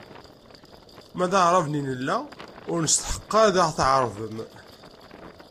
Ma d Aɛraben i nella, ur nesteḥq ad aɣ-tɛerbem.